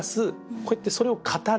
こうやってそれを「語れる」。